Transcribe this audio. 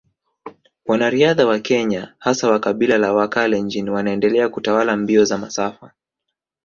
Wanariadha wa Kenya hasa wa kabila la Wakalenjin wanaendelea kutawala mbio za masafa